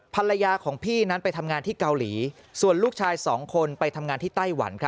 ภรรยาของพี่นั้นไปทำงานที่เกาหลีส่วนลูกชายสองคนไปทำงานที่ไต้หวันครับ